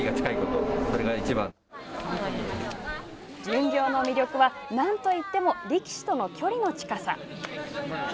巡業の魅力は、何といっても力士との距離の近さ。